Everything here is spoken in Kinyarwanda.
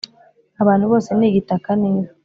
abantu, bose ni igitaka n’ivu